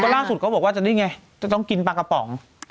ล่าสุดเขาบอกว่าจะนี่ไงจะต้องกินปลากระป๋อง